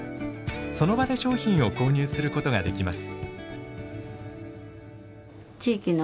その場で商品を購入することができます。